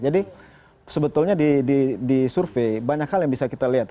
jadi sebetulnya di survei banyak hal yang bisa kita lihat